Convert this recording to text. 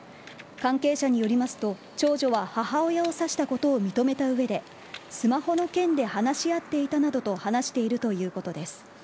関係者によりますと長女は母親を刺したことを認めた上でスマホの件で話し合っていたなどと話しているということです。